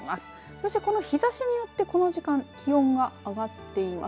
そしてこの日ざしによってこの時間気温が上がっています。